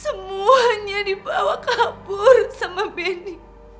semuanya dibawa kabur sama beni